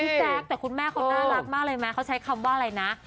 แจ๊คแต่คุณแม่เขาน่ารักมากเลยไหมเขาใช้คำว่าอะไรนะ